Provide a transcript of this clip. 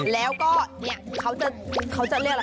แล้วก็เขาจะเรียกอะไร